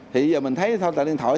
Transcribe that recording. thì giờ mình thấy tạm điện thoại